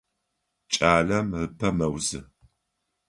Кӏалэм ыпэ мэузы.